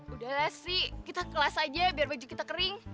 udahlah sih kita kelas aja biar baju kita kering